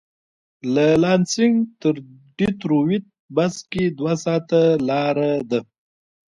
له لانسېنګ تر ډیترویت بس کې دوه ساعته لاره ده.